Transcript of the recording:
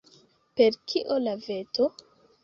Per kio la veto?